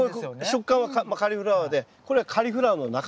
食感はカリフラワーでこれはカリフラワーの仲間です。